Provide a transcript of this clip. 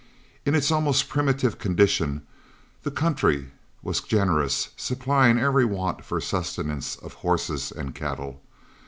In its almost primitive condition, the country was generous, supplying every want for sustenance of horses and cattle.